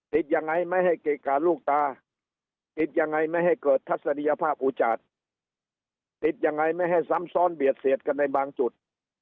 ติดยังไงไม่ให้เกิดทัศนียภาพอุจจัดติดยังไงไม่ให้ซ้ำซ้อนเบียดเสียดกันในบางจุด